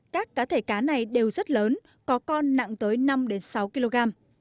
các cá thể cá này đều rất lớn có con nặng tới năm sáu kg